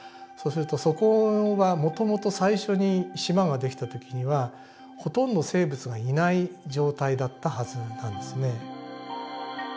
そうするとそこはもともと最初に島が出来た時にはほとんど生物がいない状態だったはずなんですね。